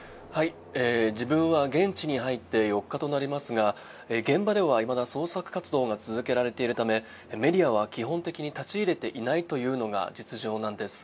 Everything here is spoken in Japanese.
自分は現地に入って４日となりますが現場ではいまだ捜索活動が続けられているためメディアは基本的に立ち入れていないというのが実情なんです。